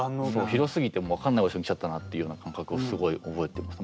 広すぎて分かんない場所に来ちゃったなっていうような感覚をすごい覚えてます。